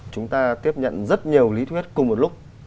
chúng ta tiếp nhận rất nhiều lý thuyết cùng một lúc